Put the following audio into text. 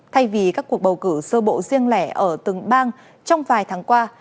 thay vì các cuộc bầu cử sơ bộ riêng lẻ ở từng bang trong vài tháng qua